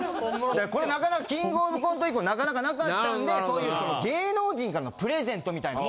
これ『キングオブコント』以降なかなかなかったんでそういう芸能人からのプレゼントみたいなのも。